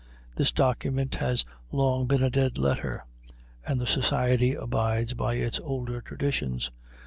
This document has long been a dead letter, and the society abides by its older traditions.